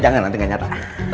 jangan nanti gak nyata